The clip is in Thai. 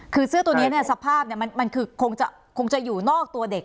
คือเสื้อตัวนี้สภาพมันคือคงจะอยู่นอกตัวเด็ก